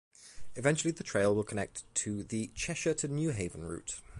Eventually the trail will connect with the Cheshire-to-New Haven route.